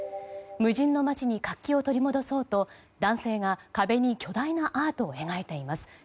無人の町に活気を取り戻そうと男性が壁に巨大なアートを描いています。